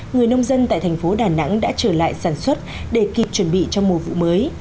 người nông dân tại thành phố đà nẵng đã trở lại sản xuất để kịp chuẩn bị cho mùa vụ mới